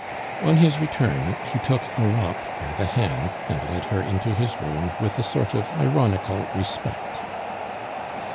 On his return, he took Europe by the hand and led her into his room with a sort of ironical respect.